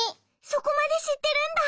そこまでしってるんだ！